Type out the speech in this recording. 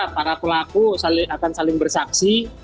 para pelaku akan saling bersaksi